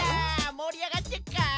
もりあがってっかい？